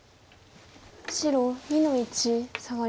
白２の一サガリ。